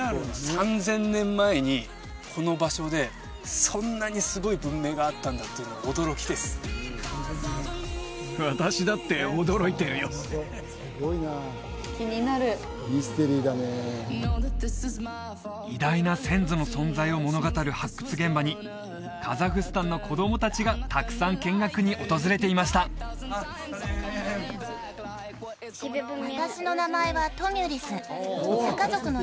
３０００年前にこの場所でそんなにすごい文明があったんだっていうのが驚きですミステリーだね偉大な先祖の存在を物語る発掘現場にカザフスタンの子供達がたくさん見学に訪れていました頼もしいですね！